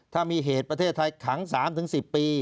ถ้ามีเหตุประเทศไทยขัง๓๑๐ปี